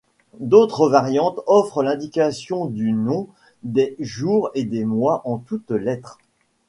D'autres variantes offrent l'indication du nom des jours et des mois en toute lettres.